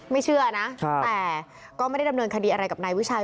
เชื่อนะแต่ก็ไม่ได้ดำเนินคดีอะไรกับนายวิชัย